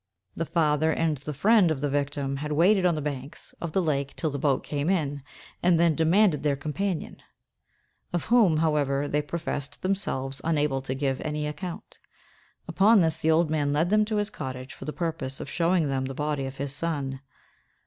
The father and friend of the victim had waited on the banks of the lake till the boat came in, and then demanded their companion; of whom, however, they professed themselves unable to give any account. Upon this, the old man led them to his cottage for the purpose of showing them the body of his son.